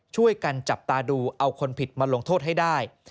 ช่วยกันจับตาดูเอาคนผิดมาลงโทษให้ได้